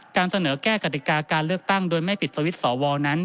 การเสนอแก้กฎิกาการเลือกตั้งโดยไม่ปิดสวิตช์สวนั้น